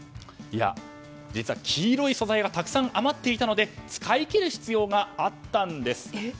実は黄色い素材がたくさん余っていたので使い切る必要があったんです。